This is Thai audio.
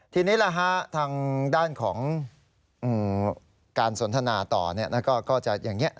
ทีนี้ทางด้านของการสนทนาต่อก็จะอย่างนี้